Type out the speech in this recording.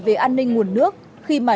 về an ninh nguồn nước khi mà